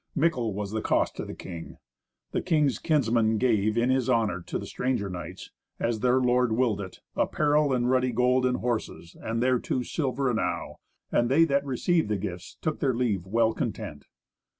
Mickle was the cost to the king. The king's kinsmen gave, in his honour, to the stranger knights, as their lord willed it, apparel, and ruddy gold and horses, and thereto silver enow; and they that received the gifts took their leave well content.